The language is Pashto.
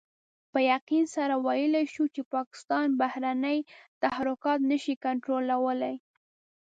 په يقين سره ويلای شو چې پاکستان بهرني تحرکات نشي کنټرولولای.